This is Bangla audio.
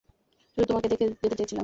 শুধু তোমাকে দেখে যেতে চেয়েছিলাম।